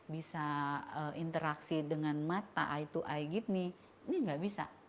bisa interaksi dengan mata eye to eye gini ini nggak bisa